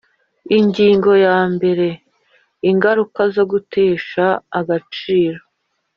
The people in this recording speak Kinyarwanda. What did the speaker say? Ingingo ya mbere Ingaruka zo gutesha agaciro